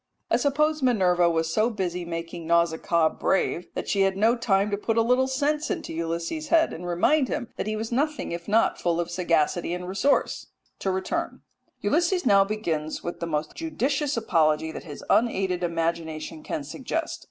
I suppose Minerva was so busy making Nausicaa brave that she had no time to put a little sense into Ulysses' head, and remind him that he was nothing if not full of sagacity and resource. To return Ulysses now begins with the most judicious apology that his unaided imagination can suggest.